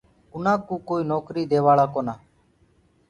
اُنآ ڪو ڪوئيٚ نوڪريٚ ديوآ لآ ڪونآ۔